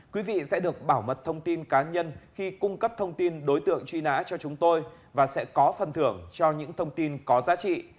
quý vị sẽ được bảo mật thông tin cá nhân khi cung cấp thông tin đối tượng truy nã cho chúng tôi và sẽ có phần thưởng cho những thông tin có giá trị